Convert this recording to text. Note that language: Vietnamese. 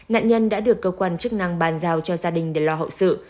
nạn nhân đã được cơ quan chức năng bàn giao cho gia đình để lo hậu sự